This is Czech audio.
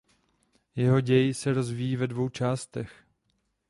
Jeho děj se rozvíjí ve dvou částech.